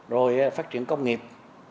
rồi phát triển công nghiệp